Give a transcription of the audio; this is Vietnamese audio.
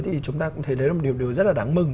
thì chúng ta cũng thấy đấy là một điều rất là đáng mừng